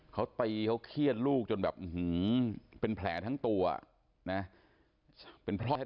เขาตีเขาเครียดลูกจนแบบเป็นแผลทั้งตัวเป็นพ่อแท้นะ